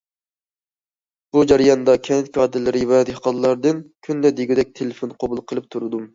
بۇ جەرياندا كەنت كادىرلىرى ۋە دېھقانلاردىن كۈندە دېگۈدەك تېلېفون قوبۇل قىلىپ تۇردۇم.